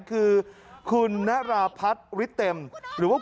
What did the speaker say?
คือคุณณระภัทริเต็มหรือคุณโฟม